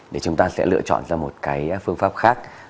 để chúng ta sẽ lựa chọn ra một cái phương pháp khác